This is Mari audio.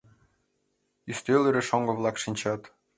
Ӱстел йыр шоҥго-влак шинчат.